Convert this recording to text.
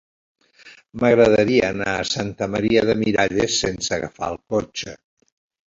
M'agradaria anar a Santa Maria de Miralles sense agafar el cotxe.